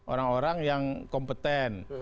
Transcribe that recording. orang orang yang kompeten